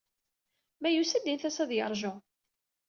Ma yusa-d, int-as ad y-irju.